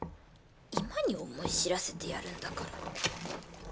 今に思い知らせてやるんだから。